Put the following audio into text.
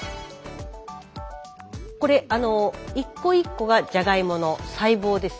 これ一個一個がじゃがいもの細胞です。